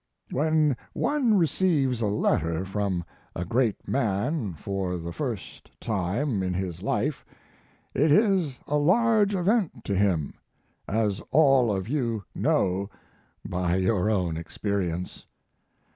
When one receives a letter from a great man for the first time in his life it is a large event to him, as all of you know by your own experience.